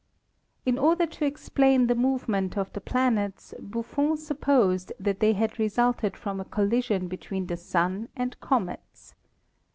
In order to explain the movement of the planets, Buffon supposed that they had resulted from a collision between the Sun and comets.